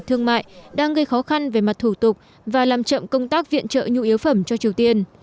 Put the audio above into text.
thương mại đang gây khó khăn về mặt thủ tục và làm chậm công tác viện trợ nhu yếu phẩm cho triều tiên